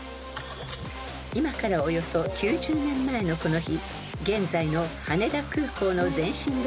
［今からおよそ９０年前のこの日］